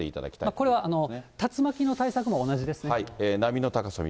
これは竜巻の対策も同じですね。